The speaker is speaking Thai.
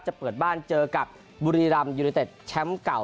เปิดบ้านเจอกับบุรีรำยูเนเต็ดแชมป์เก่า